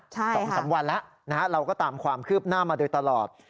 สองสามวันแล้วนะฮะเราก็ตามความคืบหน้ามาโดยตลอด